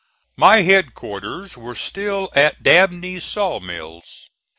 My headquarters were still at Dabney's saw mills.